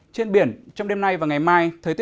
trên biển trong đêm nay và ngày mai